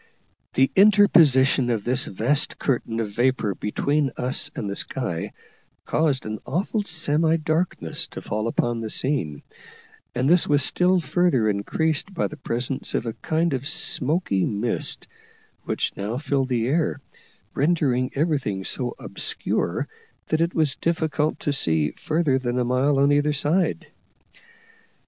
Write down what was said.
The interposition of this vast curtain of vapour between us and the sky caused an awful semi darkness to fall upon the scene, and this was still further increased by the presence of a kind of smoky mist, which now filled the air, rendering everything so obscure that it was difficult to see further than a mile on either side.